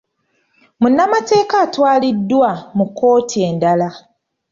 Munnamateeka atwaliddwa mu kkooti endala.